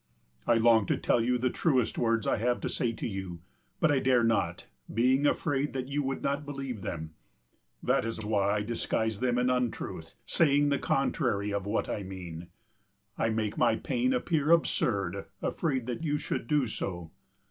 I long to tell you the truest words I have to say to you; but I dare not, being afraid that you would not believe them. That is why I disguise them in untruth, saying the contrary of what I mean. I make my pain appear absurd, afraid that you should do so.